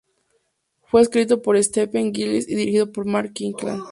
Fue escrito por Stephanie Gillis y dirigido por Mark Kirkland.